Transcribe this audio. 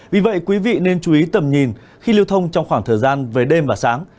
vì vậy quý vị nên chú ý tầm nhìn khi lưu thông trong khoảng thời gian về đêm và sáng